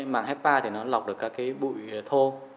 màng hepa lọc được các bụi thô